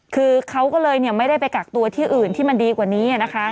คือเขาก็เลยไม่ได้ไปกักตัวที่อื่นที่มันดีกว่านี้นะคะ